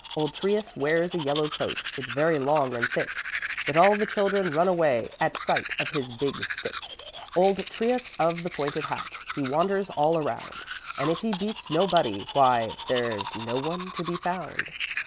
Old Trius wears a yellow coat, It's very long and thick, But all the children run away At sight of his big stick. Old Trius of the pointed hat He wanders all around, And if he beats nobody, why There's no one to be found.